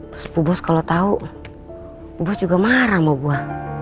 terus bu bos kalau tau bu bos juga marah sama gua